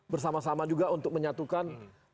bersama sama juga untuk menyatukan